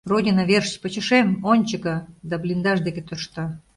— Родина верч, почешем, ончыко! — да блиндаж деке тӧршта.